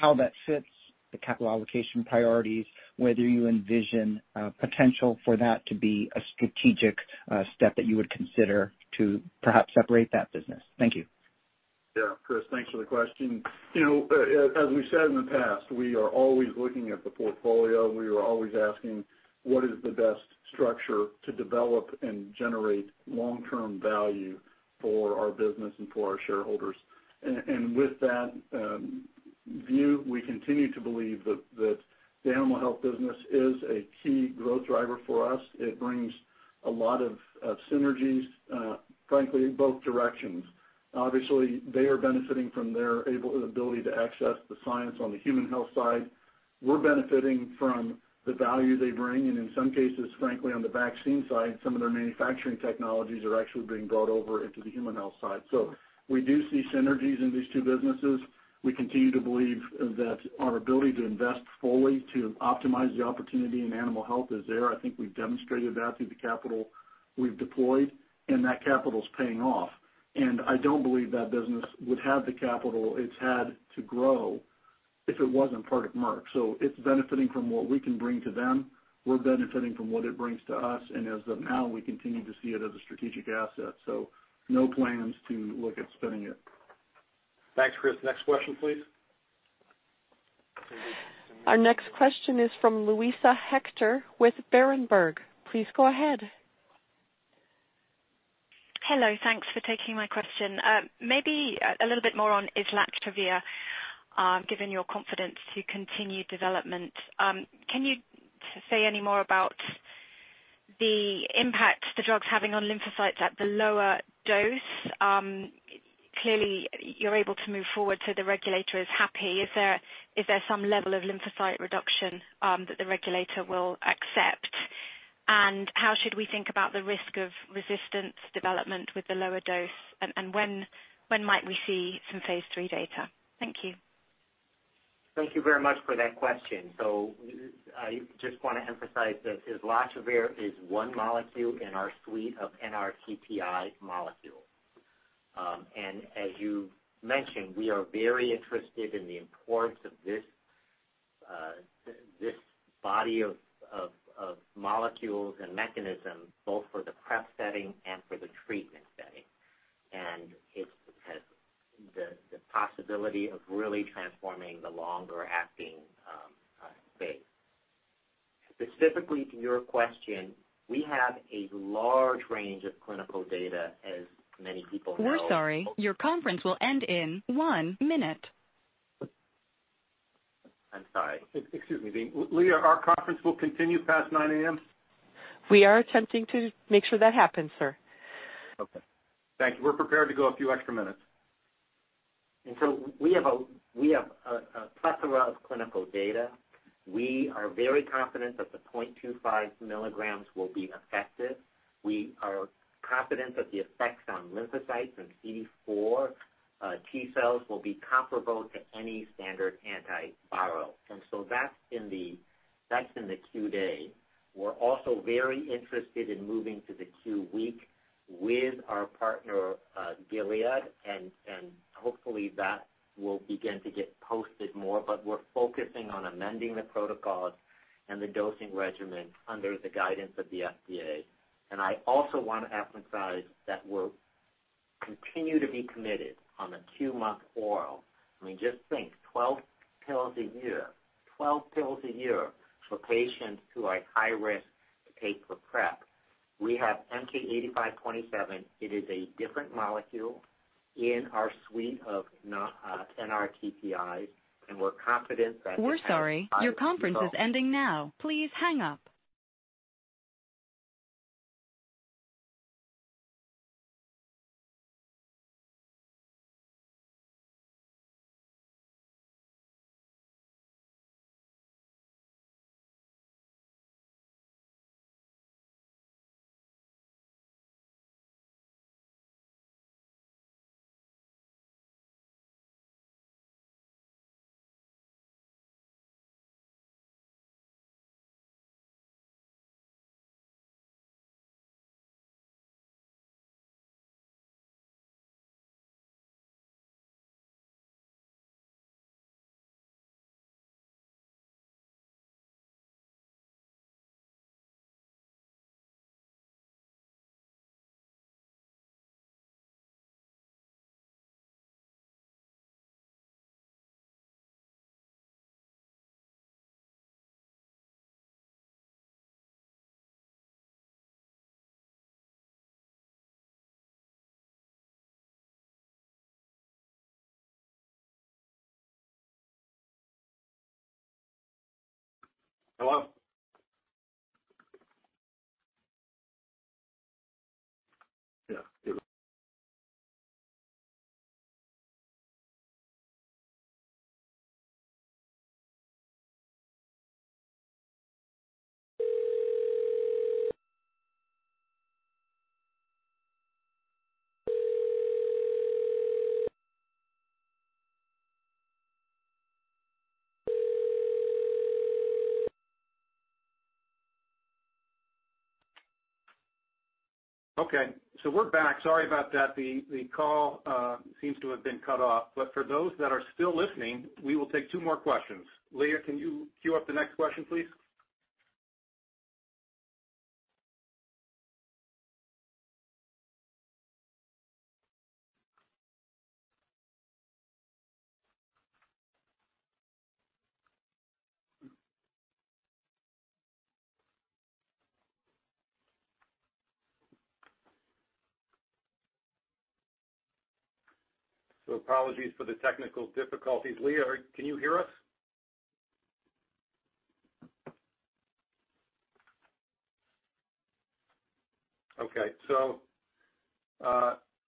how that fits the capital allocation priorities, whether you envision potential for that to be a strategic step that you would consider to perhaps separate that business. Thank you. Yeah, Chris, thanks for the question. You know, as we've said in the past, we are always looking at the portfolio. We are always asking what is the best structure to develop and generate long-term value for our business and for our shareholders. With that view, we continue to believe that the Animal Health business is a key growth driver for us. It brings a lot of synergies, frankly, in both directions. Obviously, they are benefiting from their ability to access the science on the Human Health side. We're benefiting from the value they bring, and in some cases, frankly, on the vaccine side, some of their manufacturing technologies are actually being brought over into the Human Health side. We do see synergies in these two businesses. We continue to believe that our ability to invest fully to optimize the opportunity in Animal Health is there. I think we've demonstrated that through the capital we've deployed, and that capital's paying off. I don't believe that business would have the capital it's had to grow if it wasn't part of Merck. It's benefiting from what we can bring to them. We're benefiting from what it brings to us. As of now, we continue to see it as a strategic asset. No plans to look at spinning it. Thanks, Chris. Next question, please. Our next question is from Luisa Hector with Berenberg. Please go ahead. Hello. Thanks for taking my question. Maybe a little bit more on islatravir, given your confidence to continue development. Can you say any more about the impact the drug's having on lymphocytes at the lower dose? Clearly you're able to move forward, so the regulator is happy. Is there some level of lymphocyte reduction that the regulator will accept? And how should we think about the risk of resistance development with the lower dose? And when might we see some Phase 3 data? Thank you. Thank you very much for that question. I just wanna emphasize that islatravir is one molecule in our suite of NRTTI molecules. As you mentioned, we are very interested in the importance of this body of molecules and mechanisms, both for the PrEP setting and for the treatment setting. It has the possibility of really transforming the longer-acting space. Specifically to your question, we have a large range of clinical data, as many people know. We're sorry. Your conference will end in one minute. I'm sorry. Excuse me. Leah, our conference will continue past 9:00 A.M.? We are attempting to make sure that happens, sir. Okay. Thank you. We're prepared to go a few extra minutes. We have a plethora of clinical data. We are very confident that the 0.25 mg will be effective. We are confident that the effects on lymphocytes and CD4 T cells will be comparable to any standard antiviral. That's in the Q-day. We're also very interested in moving to the Q-week with our partner Gilead, and hopefully that will begin to get posted more. We're focusing on amending the protocols and the dosing regimen under the guidance of the FDA. I also wanna emphasize that we'll continue to be committed on the two-month oral. I mean, just think, 12 pills a year for patients who are at high risk to take the PrEP. We have MK-8527. It is a different molecule in our suite of NRTTIs, and we're confident that it has optimum results. We're sorry. Your conference is ending now. Please hang up. Okay, we're back. Sorry about that. The call seems to have been cut off. For those that are still listening, we will take two more questions. Leah, can you queue up the next question, please? Apologies for the technical difficulties. Leah, can you hear us? Okay.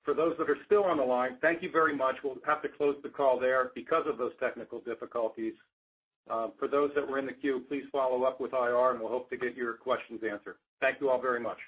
For those that are still on the line, thank you very much. We'll have to close the call there because of those technical difficulties. For those that were in the queue, please follow up with IR, and we'll hope to get your questions answered. Thank you all very much.